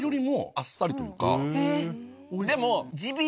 でも。